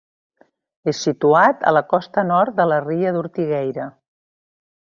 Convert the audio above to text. És situat a la costa nord de la ria d'Ortigueira.